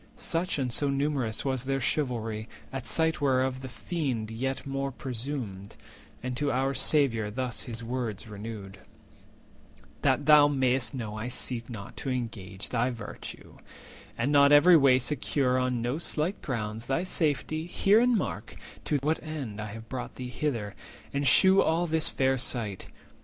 Such and so numerous was their chivalry; At sight whereof the Fiend yet more presumed, And to our Saviour thus his words renewed:— "That thou may'st know I seek not to engage Thy virtue, and not every way secure On no slight grounds thy safety, hear and mark To what end I have brought thee hither, and shew 350 All this fair sight.